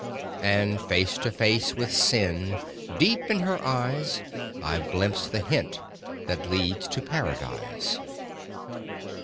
And face to face with Sin, deep in her eyes, I ve glimpsed the hint that leads to Paradise